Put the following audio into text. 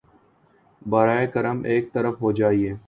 براہ کرم ایک طرف ہو جایئے